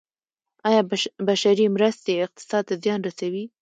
آیا بشري مرستې اقتصاد ته زیان رسوي؟